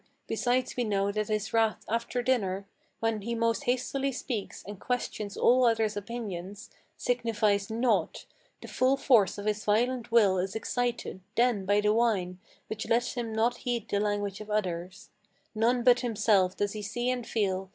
Besides we know that his wrath after dinner, When he most hastily speaks, and questions all others' opinions, Signifies naught; the full force of his violent will is excited Then by the wine, which lets him not heed the language of others; None but himself does he see and feel.